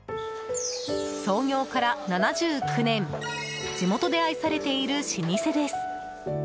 創業から７９年地元で愛されている老舗です。